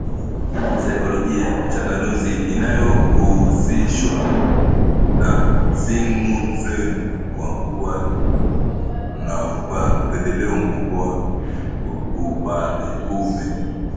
Saikilojia-Changanuzi inayohuzishwa na Sigmund Freud kwa kuwa na upendeleo mkubwa wa ubabeume